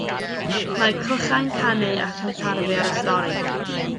Mae clychau'n canu ac yn tarfu ar y stori.